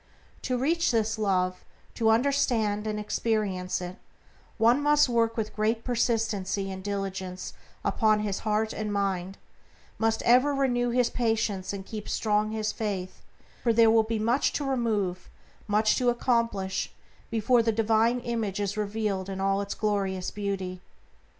To reach this Love, to understand and experience it, one must work with great persistency and diligence upon his heart and mind, must ever renew his patience and keep strong his faith, for there will be much to remove, much to accomplish before the Divine Image is revealed in all its glorious beauty.